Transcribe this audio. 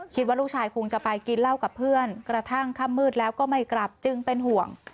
คิดว่าลูกชายคงจะไปกินเหล้ากับเพื่อนกระทั่งค่ำมืดแล้วก็ไม่กลับจึงเป็นห่วง